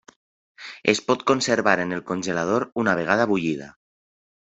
Es pot conservar en el congelador una vegada bullida.